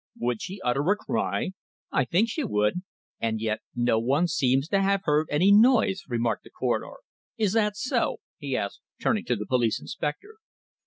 "Would she utter a cry?" "I think she would." "And yet no one seems to have heard any noise!" remarked the coroner. "Is that so?" he asked, turning to the police inspector.